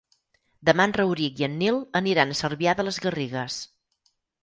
Demà en Rauric i en Nil aniran a Cervià de les Garrigues.